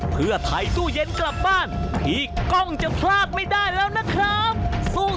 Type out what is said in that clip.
เพื่อถ่ายตู้เย็นกลับบ้านพี่ก้องจะพลาดไม่ได้แล้วนะครับ